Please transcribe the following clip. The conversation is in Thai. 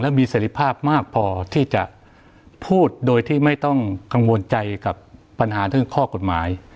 มีเสร็จภาพมากพอที่จะพูดโดยที่ไม่ต้องกังวลใจกับปัญหาเรื่องข้อกฎหมาย